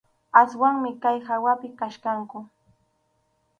Aswanmi kay hawapi kachkanku.